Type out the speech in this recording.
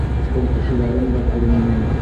Көткән кешеләрем дә күренмәй.